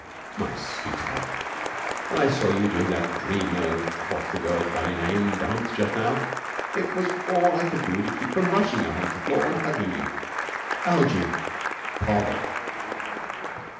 'My sweetheart, when I saw you doing that Dream of What's the girl's bally name dance just now, it was all I could do to keep from rushing out on to the floor and hugging you.' 'Algie!' 'Polly!'